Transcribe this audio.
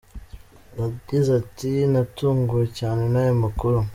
Yagize ati ”Natunguwe cyane n’aya makuru.